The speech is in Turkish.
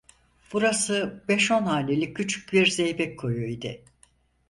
Burası, beş on hanelik küçük bir zeybek koyu idi.